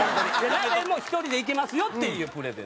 鍋も１人で行けますよっていうプレゼン。